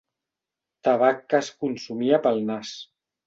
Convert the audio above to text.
Tabac que es consumia pel nas.